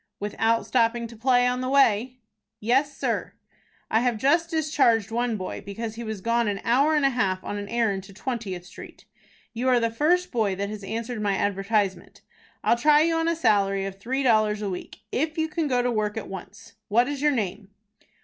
"Without stopping to play on the way?" "Yes, sir." "I have just discharged one boy, because he was gone an hour and a half on an errand to Twentieth Street. You are the first boy that has answered my advertisement. I'll try you on a salary of three dollars a week, if you can go to work at once. What is your name?"